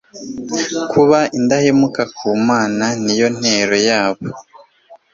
Kuba indahemuka ku Mana ni yo ntero yabo